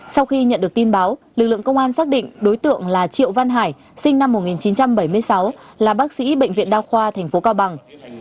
sau khi nhận được tin báo lực lượng công an xác định đối tượng là triệu văn hải sinh năm một nghìn chín trăm bảy mươi sáu là bác sĩ bệnh viện đa khoa tp cao bằng